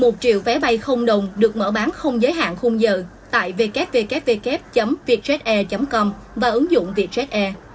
một triệu vé bay đồng được mở bán không giới hạn khung giờ tại www vietjetair com và ứng dụng vietjet air